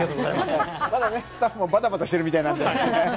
まだね、スタッフもバタバタしているみたいなので。